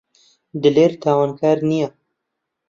دلێر تاوانکار نییە.